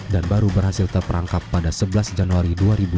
dan baru berhasil terperangkap pada sebelas januari dua ribu dua puluh dua